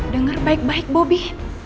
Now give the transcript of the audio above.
dengar baik baik bobi